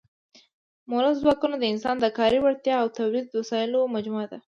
مؤلده ځواکونه د انسان د کاري وړتیا او تولیدي وسایلو مجموعه ده.